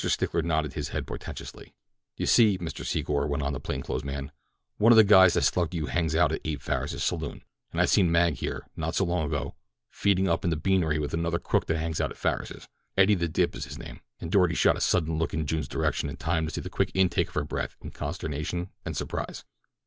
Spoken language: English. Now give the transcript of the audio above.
Stickler nodded his head portentously. "You see, Mr. Secor," went on the plain clothes man, "one of the guys that slugged you hangs out at Abe Farris's saloon, an' I seen Mag here, not so long ago, feedin' up in a beanery with another crook that hangs out at Farris's—Eddie the Dip's his name," and Doarty shot a sudden look in June's direction in time to see the quick intake of her breath in consternation and surprise.